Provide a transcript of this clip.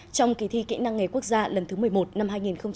trong kỳ thi kỹ năng nghề quốc gia lần thứ một mươi một năm hai nghìn hai mươi